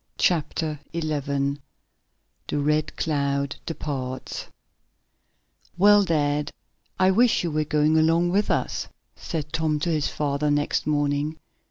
Chapter 11 The Red Cloud Departs "Well, dad, I wish you were going along with us," said Tom to his father next morning.